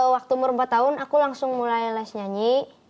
waktu umur empat tahun aku langsung mulai les nyanyi